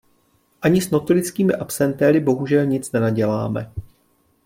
Ani s notorickými absentéry bohužel nic nenaděláme.